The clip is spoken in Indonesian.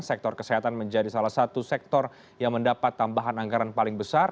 sektor kesehatan menjadi salah satu sektor yang mendapat tambahan anggaran paling besar